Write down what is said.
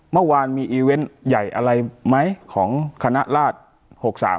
เมื่อวานมีอีเวนต์ใหญ่อะไรไหมของคณะราช๖๓